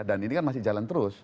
dan ini kan masih jalan terus